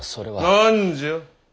何じゃ。